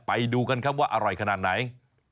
ไปดูกันครับว่าอร่อยขนาดไหน